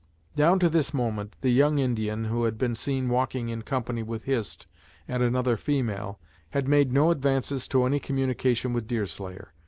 Down to this moment, the young Indian who had been seen walking in company with Hist and another female had made no advances to any communication with Deerslayer.